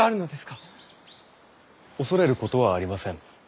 恐れることはありません。